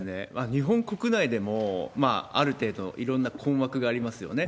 日本国内でも、ある程度、いろんな困惑がありますよね。